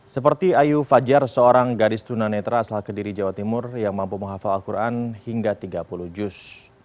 seperti ayu fajar seorang gadis tunanetra asal kediri jawa timur yang mampu menghafal al quran hingga tiga puluh juz